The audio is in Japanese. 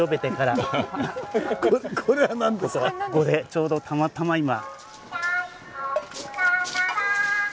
ちょうどたまたま今。